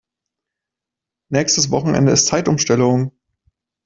Nächstes Wochenende ist Zeitumstellung.